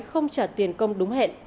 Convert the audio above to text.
không trả tiền công đúng hẹn